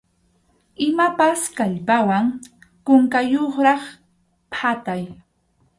Imapas kallpawan kunkayuqraq phatay.